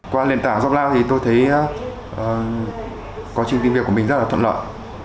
qua nền tảng joblow thì tôi thấy quá trình tìm việc của mình rất là thuận lợi